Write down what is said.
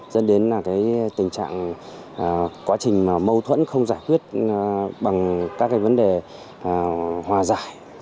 dẫn đến là cái tình trạng quá trình mà mâu thuẫn không giải quyết bằng các cái vấn đề hòa giải